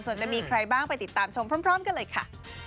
ส่วนจะมีใครบ้างไปติดตามชมพร้อมกันเลยค่ะ